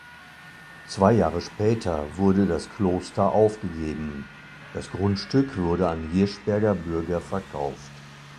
Zwei Jahre später wurde das Kloster aufgegeben; das Grundstück wurde an Hirschberger Bürger verkauft.